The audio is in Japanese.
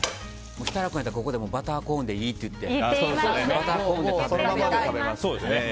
設楽君やったらここでバターコーンでいいってそのままで食べますからね。